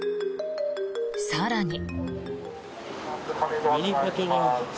更に。